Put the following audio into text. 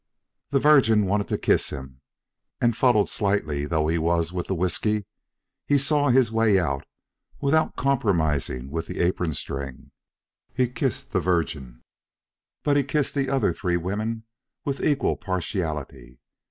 The Virgin wanted to kiss him, and, fuddled slightly though he was with the whiskey, he saw his way out without compromising with the apron string. He kissed the Virgin, but he kissed the other three women with equal partiality.